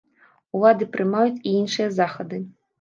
Улады прымаюць і іншыя захады.